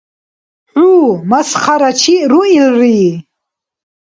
ХӀу масхарачи руилри.